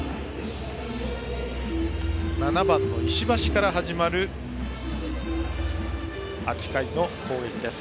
７番の石橋から始まる８回の攻撃です。